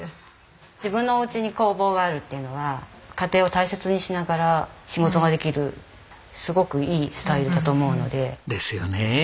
自分のお家に工房があるっていうのは家庭を大切にしながら仕事ができるすごくいいスタイルだと思うので。ですよね。